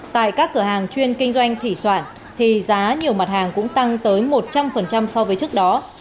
tại các cửa hàng chuyên kinh doanh thủy sản thì giá nhiều mặt hàng cũng tăng tới một trăm linh so với trước đó